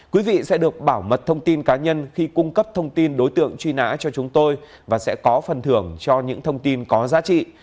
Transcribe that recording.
quý vị sẽ được bảo mật thông tin cá nhân khi cung cấp thông tin đối tượng truy nã cho chúng tôi và sẽ có phần thưởng cho những thông tin có giá trị